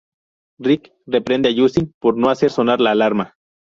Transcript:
Rick reprende a Justin por no hacer sonar la alarma.